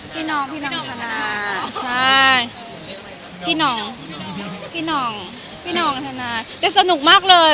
พี่น้องพี่น้องธนาใช่พี่น้องพี่น้องธนาแต่สนุกมากเลย